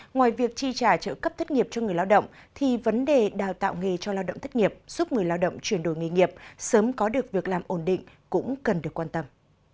ngoài việc tri trả trợ cấp thất nghiệp cho người lao động thì vấn đề đào tạo nghề cho lao động thất nghiệp giúp người lao động chuyển đổi nghề nghiệp sớm có được việc làm ổn định cũng cần được quan tâm